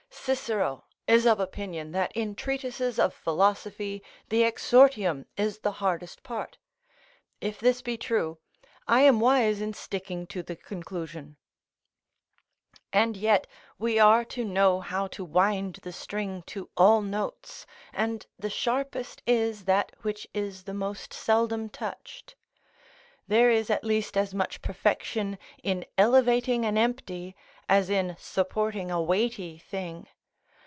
Cicero is of opinion that in treatises of philosophy the exordium is the hardest part; if this be true, I am wise in sticking to the conclusion. And yet we are to know how to wind the string to all notes, and the sharpest is that which is the most seldom touched. There is at least as much perfection in elevating an empty as in supporting a weighty thing.